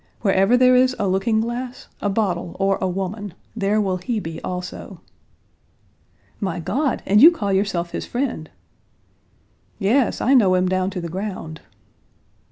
Wherever there is a looking glass, a bottle, or a woman, there will he be also." "My God! and you call yourself his friend." "Yes, I know him down to the ground."